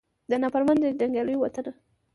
د نافرمانه جنګیالو وطنه